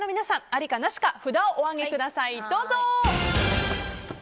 ありか、なしか札をお上げください。